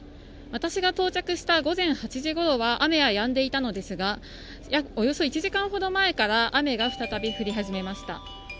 私が到着した午前８時ごろは雨はやんでいたのですがおよそ１時間ほど前から雨が再び降り始めました